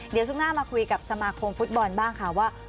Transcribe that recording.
เดี๋ยวช่วงหน้ามาคุยกับสมาคมฟุตบอลบ้างค่ะว่า